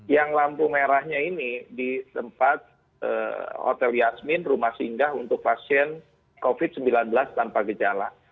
yang lampu merahnya ini di tempat hotel yasmin rumah singgah untuk pasien covid sembilan belas tanpa gejala